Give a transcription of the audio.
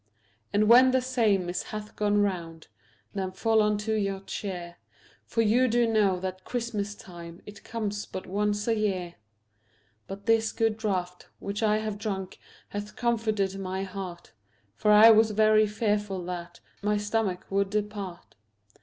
And when the same it hath gone round Then fall unto your cheer, For you do know that Christmas time It comes but once a year. But this good draught which I have drunk Hath comforted my heart, For I was very fearful that My stomach would depart.